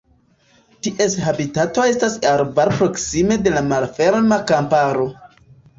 Ties habitato estas arbaro proksime de malferma kamparo.